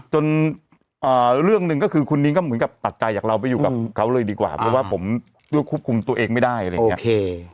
จนเรื่องหนึ่งก็คือคุณนิ้งก็เหมือนกับตัดใจจากเราไปอยู่กับเขาเลยดีกว่าเพราะว่าผมด้วยควบคุมตัวเองไม่ได้อะไรอย่างนี้